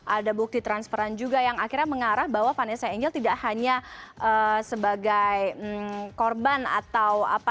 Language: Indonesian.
ada bukti transferan juga yang akhirnya mengarah bahwa vanessa angel tidak hanya sebagai korban atau apa